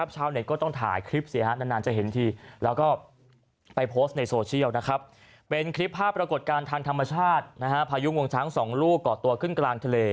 ชาวเน็ตก็ต้องถ่ายคลิปแล้ว